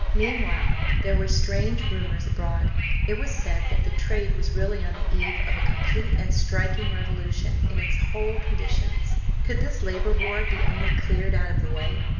Meanwhile there were strange rumours abroad. It was said that the trade was really on the eve of a complete and striking revolution in its whole conditions could this labour war be only cleared out of the way.